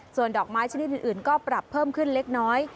ส่วนดอกไม้ชนิดอื่นก็ปรับเพิ่มขึ้นเล็กน้อย